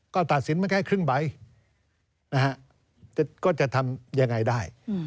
ก็ตัดสินมาแค่ครึ่งใบนะฮะก็จะทำยังไงได้